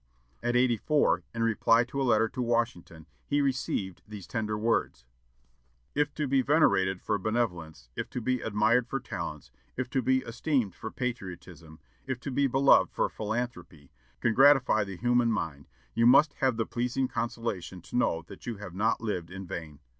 At eighty four, in reply to a letter to Washington, he received these tender words: "If to be venerated for benevolence, if to be admired for talents, if to be esteemed for patriotism, if to be beloved for philanthropy, can gratify the human mind, you must have the pleasing consolation to know that you have not lived in vain.